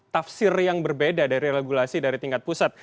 tafsir yang berbeda dari regulasi dari tingkat pusat